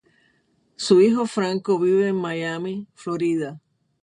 Su hijo Franco vive en Miami, Florida.